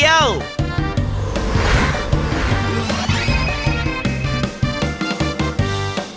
โปรดติดตามตอนต่อไป